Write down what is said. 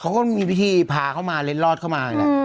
เขาก็มีพิธีพาเขามาเล็ดรอดเข้ามา